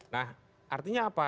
nah artinya apa